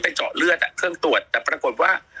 เจาะเลือดอ่ะเครื่องตรวจแต่ปรากฏว่า